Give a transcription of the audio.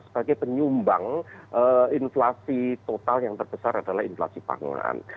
sebagai penyumbang inflasi total yang terbesar adalah inflasi pangan